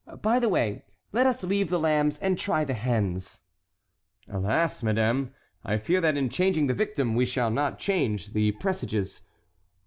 By the way, let us leave the lambs, and try the hens." "Alas, madame, I fear that in changing the victim we shall not change the presages."